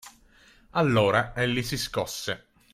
Allora, egli si scosse.